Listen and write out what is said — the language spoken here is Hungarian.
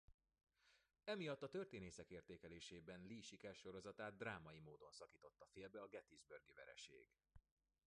Emiatt a történészek értékelésében Lee sikersorozatát drámai módon szakította félbe a gettysburgi vereség.